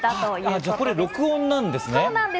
これ録音なんですね。